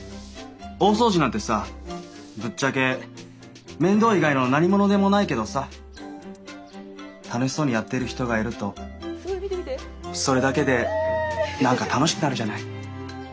大掃除なんてさぶっちゃけ面倒以外の何物でもないけどさ楽しそうにやってる人がいるとそれだけで何か楽しくなるじゃない。